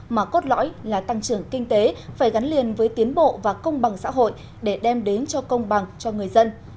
mà cốt lõi là tăng trưởng kinh tế phải gắn liền với tiến bộ và công bằng xã hội để đem đến cho công bằng cho người dân